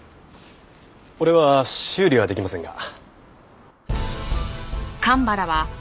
俺は修理はできませんが。